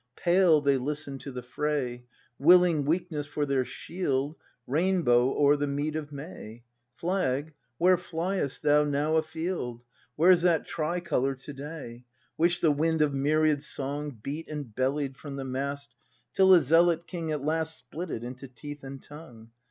Pale they listen to the fray, — Willing weakness for their shield. — Rainbow o'er the mead of May, Flag, where fliest thou now afield ? Where's that tricolor to day, — Which the wind of myriad song. Beat and bellied from the mast Till a zealot king at last Split it into teeth and tongue